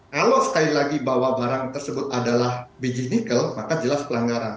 kalau sekali lagi bahwa barang tersebut adalah biji nikel maka jelas pelanggaran